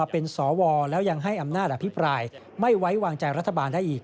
เป็นสวแล้วยังให้อำนาจอภิปรายไม่ไว้วางใจรัฐบาลได้อีก